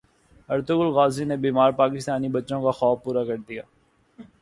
Ertugrul Ghazi نے بیمار پاکستانی بچوں کا خواب پورا کردیا